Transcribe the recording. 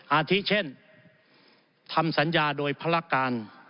อาทิเช่นทำสัญญาโดยภารการ